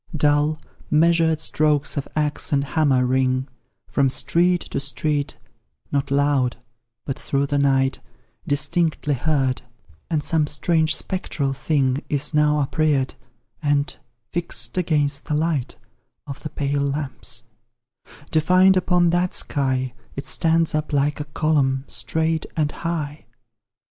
Dull, measured strokes of axe and hammer ring From street to street, not loud, but through the night Distinctly heard and some strange spectral thing Is now uprear'd and, fix'd against the light Of the pale lamps, defined upon that sky, It stands up like a column, straight and high.